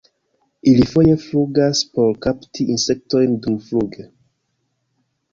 Ili foje flugas por kapti insektojn dumfluge.